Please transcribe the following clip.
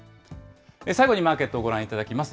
最後にマーケットをご覧いただきます。